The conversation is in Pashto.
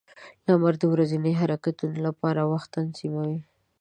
• لمر د ورځني حرکتونو لپاره وخت تنظیموي.